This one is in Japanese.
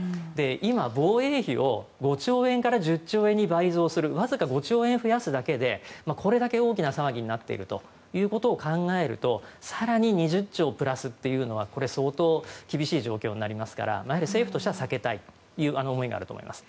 今、防衛費を５兆円から１０兆円に倍増するわずか５兆円増やすだけでこれだけ大きな騒ぎになっているということを考えると更に２０兆プラスというのは相当厳しい状況になりますから政府としては避けたいという思いがあると思います。